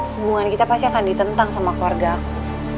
hubungan kita pasti akan ditentang sama keluarga aku